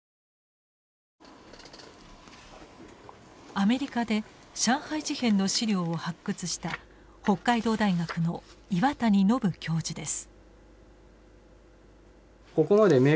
アメリカで上海事変の資料を発掘した北海道大学の岩谷將教授です。